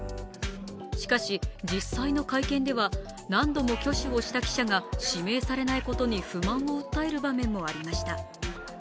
しかし、実際の会見では何度も挙手をした記者が指名されないことに不満を訴える場面もありました。